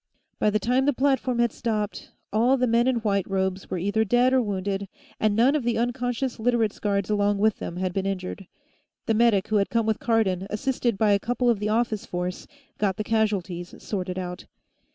By the time the platform had stopped, all the men in white robes were either dead or wounded, and none of the unconscious Literates' guards along with them had been injured. The medic who had come with Cardon, assisted by a couple of the office force, got the casualties sorted out.